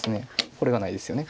これがないですよね。